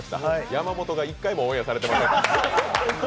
山本が１回もオンエアされていません。